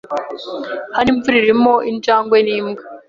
Hano imvura irimo injangwe nimbwa.